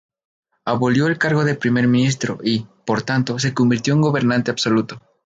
Abolió el cargo de primer ministro y, por tanto, se convirtió en gobernante absoluto.